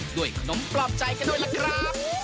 ด้วยขนมปลอบใจกันหน่อยล่ะครับ